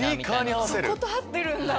そこと合ってるんだ。